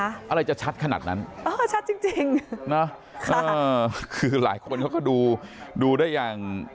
อะไรจะชัดขนาดนั้นชัดจริงนะคือหลายคนก็ดูได้อย่าง